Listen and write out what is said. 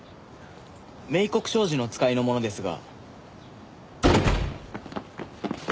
明国商事の使いの者ですが。